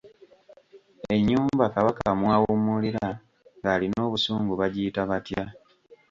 Ennyumba Kabaka mw’awummulira ng’alina obusungu bagiyita batya?